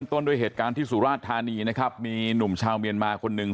ต้นด้วยเหตุการณ์ที่สุราชธานีนะครับมีหนุ่มชาวเมียนมาคนหนึ่ง